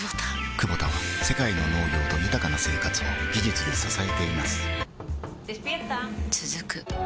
クボタは世界の農業と豊かな生活を技術で支えています起きて。